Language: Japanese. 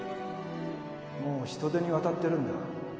もう人手に渡ってるんだ